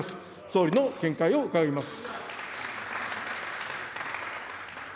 総理の見解を伺います。